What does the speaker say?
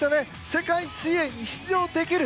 世界水泳に出場できる！